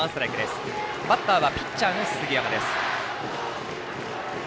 バッターはピッチャーの杉山です。